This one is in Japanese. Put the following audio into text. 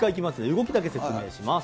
動きだけ説明します。